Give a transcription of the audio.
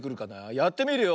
やってみるよ。